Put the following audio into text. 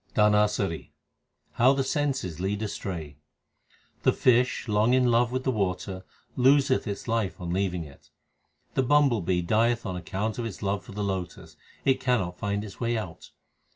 DHANASARI How the senses lead astray : The fish long in love with the water loseth its life on leaving it ; The bumble bee dieth on account of its love for the lotus ; it cannot find its way out.